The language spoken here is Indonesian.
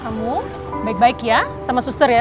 kamu baik baik ya sama suster ya